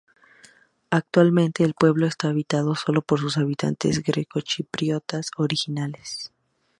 Actualmente el pueblo está habitado sólo por sus habitantes grecochipriotas originales.